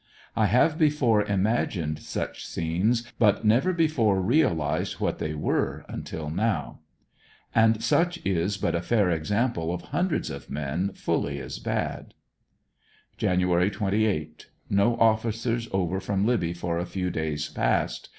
I have before imagined such scenes but never before realized what they were until now. And such is but a fair sample of hundreds of men fully as bad. Jan. 28. — No officers over from Libby for a few days past.